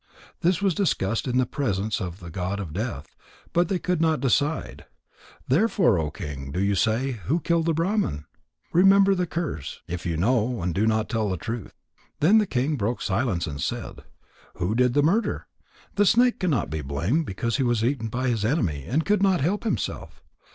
This was discussed in the presence of the god of death, but they could not decide. Therefore, O King, do you say. Who killed the Brahman? Remember the curse, if you know and do not tell the truth." Then the king broke silence and said: "Who did the murder? The snake cannot be blamed, because he was being eaten by his enemy and could not help himself.